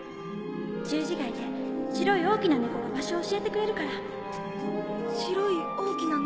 十字街で白い大きな猫が場所を教えてくれるから・白い大きな猫？